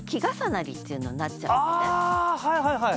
はいはいはい。